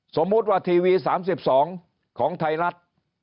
สมมุติว่าทีวี๓๒ของไทยรัฐ